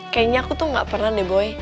kayaknya aku tuh gak pernah deh boy